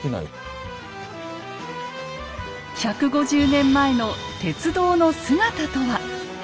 １５０年前の鉄道の姿とは？